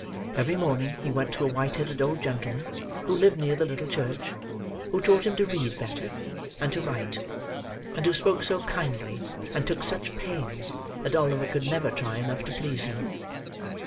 Every morning he went to a white headed old gentleman, who lived near the little church: who taught him to read better, and to write: and who spoke so kindly, and took such pains, that Oliver could never try enough to please him.